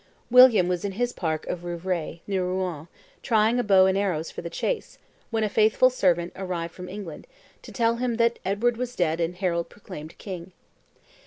William was in his park of Rouvray, near Rouen, trying a bow and arrows for the chase, when a faithful servant arrived from England, to tell him that Edward was dead and Harold proclaimed king.